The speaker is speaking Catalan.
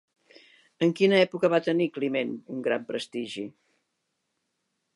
En quina època va tenir Climent un gran prestigi?